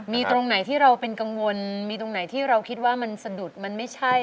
มีตรงไหนที่เราเป็นกังวลมีตรงไหนที่เราคิดว่ามันสะดุดมันไม่ใช่